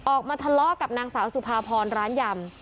ออกมาทะเลาะกับนางสาวสุภาพรร้านยำ